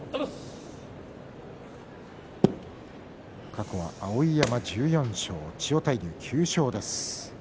過去は碧山１４勝千代大龍９勝です。